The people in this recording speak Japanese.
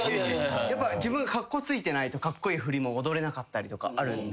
やっぱ自分が格好ついてないとカッコイイ振りも踊れなかったりとかあるんで。